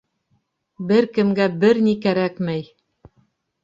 Бер кемгә бер ни кәрәкмәй!